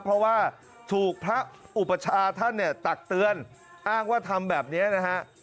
เพราะว่าถูกพระอุปชาติท่านตัดเตือนอ้างว่าทำแบบนี้นะครับ